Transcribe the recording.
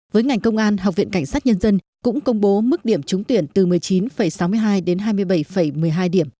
với ngành công an học viện cảnh sát nhân dân cũng công bố mức điểm trúng tuyển từ một mươi chín sáu mươi hai đến hai mươi bảy một mươi hai điểm